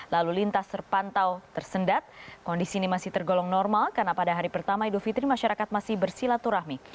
lalu lintas terpantau tersendat kondisi ini masih tergolong normal karena pada hari pertama idul fitri masyarakat masih bersilaturahmi